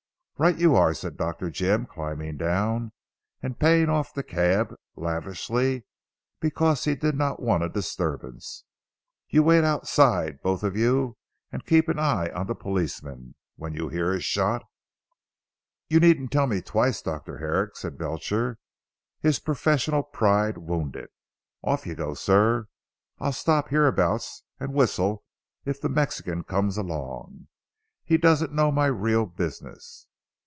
"Right you are," said Dr. Jim climbing down, and paying off the cab lavishly because he did not want a disturbance, "you wait outside both of you and keep an eye on the policeman. When you hear a shot" "You needn't tell me twice Dr. Herrick," said Belcher, his professional pride wounded. "Off you go sir, I'll stop hereabouts and whistle if the Mexican comes along. He doesn't know my real business."